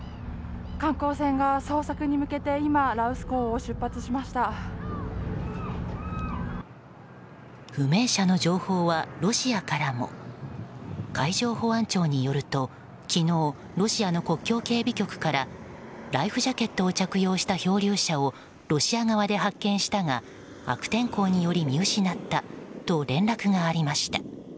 観光船が捜索に向けて今、羅臼港を不明者の情報はロシアからも。海上保安庁によると昨日、ロシアの国境警備局からライフジャケットを着用した漂流者をロシア側で発見したが悪天候により見失ったと連絡がありました。